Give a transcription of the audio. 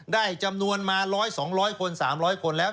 ได้จำนวนมา๑๐๐๒๐๐คน๓๐๐คนแล้ว